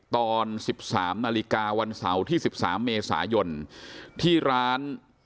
ตอนสิบสามนาฬิกาวันเสาร์ที่สิบสามเมษายนที่ร้าน